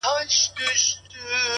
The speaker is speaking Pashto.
پام چي د غزل لېمه دې تور نه سي _